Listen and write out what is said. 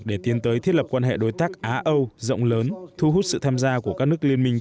để tiến tới thiết lập quan hệ đối tác á âu rộng lớn thu hút sự tham gia của các nước liên minh